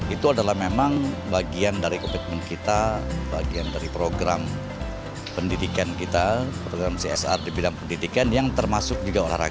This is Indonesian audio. itu adalah memang bagian dari komitmen kita bagian dari program pendidikan kita program csr di bidang pendidikan yang termasuk juga olahraga